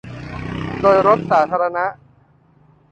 โดยรถสาธารณะ